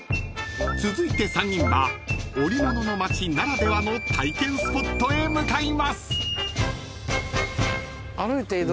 ［続いて３人は織物の街ならではの体験スポットへ向かいます］